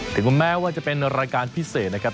ถึงแม้ว่าจะเป็นรายการพิเศษนะครับ